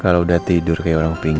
gimana kita akan menikmati rena